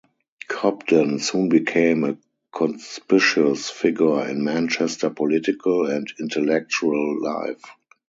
Cobden soon became a conspicuous figure in Manchester political and intellectual life.